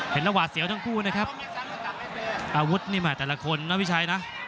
หน้าหวาดเสียวทั้งคู่นะครับอาวุธนี่มาแต่ละคนนะพี่ชัยนะ